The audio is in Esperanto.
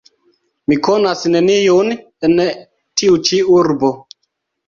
Mi konas neniun en tiu ĉi urbo.